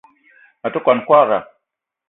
A te kwuan kwagra.